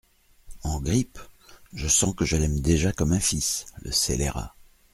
En grippe ? je sens que je l’aime déjà comme un fils !… le scélérat !…